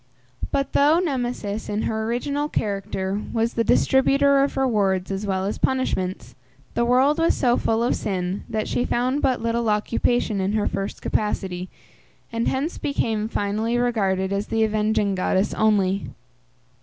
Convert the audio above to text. But though Nemesis, in her original character, was the distributor of rewards as well as punishments, the world was so full of sin, that she found but little occupation in her first capacity, and hence became finally regarded as the avenging goddess only.